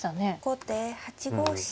後手８五飛車。